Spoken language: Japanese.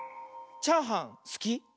チャーハンすき？